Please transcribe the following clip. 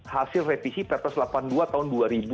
hasil revisi perpres delapan puluh dua tahun dua ribu delapan belas